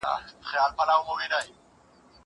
دا سپينکۍ له هغه پاکه ده!